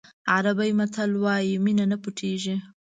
عربي متل وایي مینه نه پټېږي.